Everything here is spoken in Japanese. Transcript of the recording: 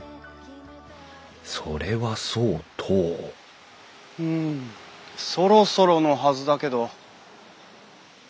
それはそうとうんそろそろのはずだけど。